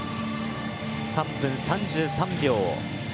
３分３３秒。